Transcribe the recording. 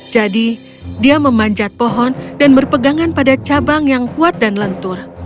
jadi dia memanjat pohon dan berpegangan pada cabang yang kuat dan lentur